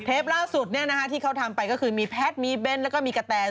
ล่าสุดที่เขาทำไปก็คือมีแพทย์มีเบ้นแล้วก็มีกะแต